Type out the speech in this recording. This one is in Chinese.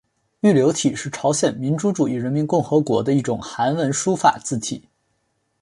玉流体是朝鲜民主主义人民共和国的一种韩文书法字体。